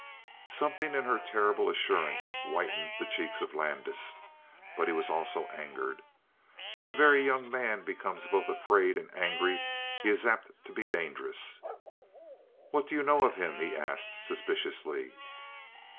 Something in her terrible assurance whitened the cheeks of Landis, but he was also angered. When a very young man becomes both afraid and angry he is apt to be dangerous. "What do you know of him?" he asked suspiciously.